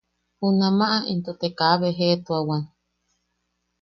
Junamaʼa into te kaa bejeʼetuawan.